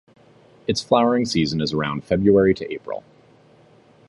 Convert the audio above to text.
Its flowering season is around February to April.